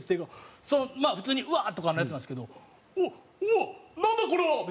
まあ普通に「うわっ」とかのやつなんですけど「おっうわっなんだ？これは」みたいな。